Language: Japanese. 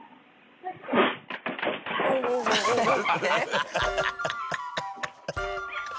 ハハハハ！